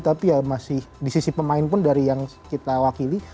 tapi ya masih di sisi pemain pun dari yang kita wakili